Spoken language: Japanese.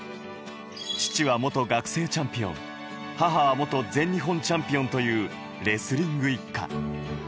父は元学生チャンピオン、母は元全日本チャンピオンというレスリング一家。